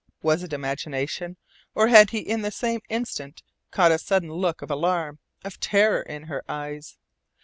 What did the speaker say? Was it imagination, or had he in that same instant caught a sudden look of alarm, of terror, in her eyes?